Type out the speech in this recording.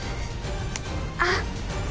あっ！